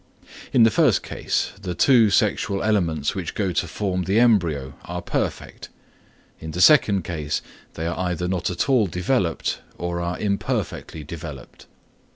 In the first case the two sexual elements which go to form the embryo are perfect; in the second case they are either not at all developed, or are imperfectly developed.